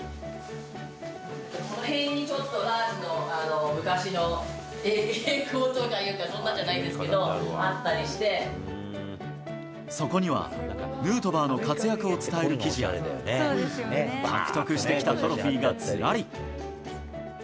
この辺にちょっと、ラーズの昔の栄光というか、そんなんじゃないそこには、ヌートバーの活躍を伝える記事や、獲得してきたトロフィーがずらり。